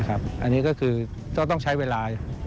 อันนี้ก็คือต้องใช้เวลา